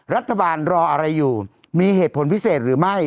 รัฐบาลรออะไรอยู่มีเหตุผลพิเศษหรือไม่